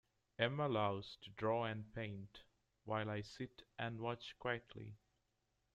Emma loves to draw and paint, while I sit and watch quietly